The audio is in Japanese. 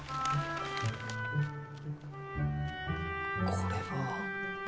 これは。